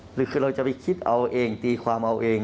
หรือคือเราจะไปคิดเอาเองตีความเอาเอง